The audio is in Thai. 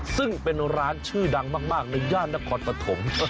ซึ่งเป็นร้านชื่อดังมากในย่านนครปฐม